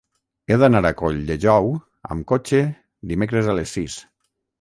He d'anar a Colldejou amb cotxe dimecres a les sis.